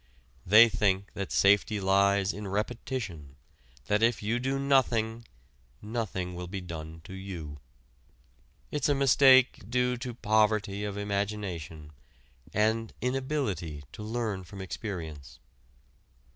They think that safety lies in repetition, that if you do nothing, nothing will be done to you. It's a mistake due to poverty of imagination and inability to learn from experience.